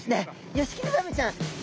ヨシキリザメちゃん。